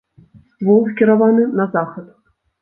Ствол скіраваны на захад.